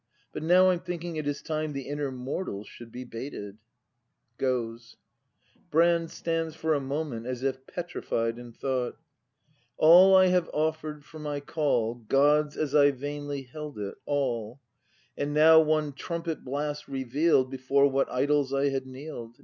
— But now I'm thinking it is time The inner mortal should be baited. [Goes. Brand. [Stands for a moment as if petrified in thought.] All I have offer'd for my call, God's as I vainly held it, — all; And now one trumpet blast reveal'd Before what idols I had kneel'd.